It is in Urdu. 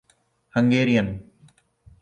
ہنگیرین